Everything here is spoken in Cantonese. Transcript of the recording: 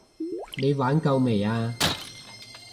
你玩夠未啊？